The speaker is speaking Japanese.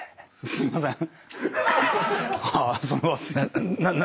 すいません。